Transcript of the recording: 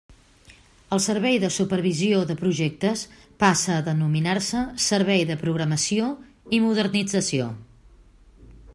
El Servei de Supervisió de Projectes passa a denominar-se Servei de Programació i Modernització.